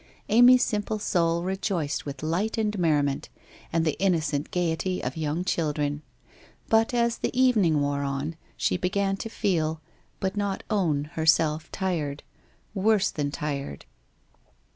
Amy's simple soul re joiced with light and merriment, and the innocent gaiety of young children. But as the evening wore on, she began to feel, but not own, herself tired — worse than tired.